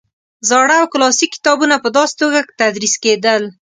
زاړه او کلاسیک کتابونه په داسې توګه تدریس کېدل.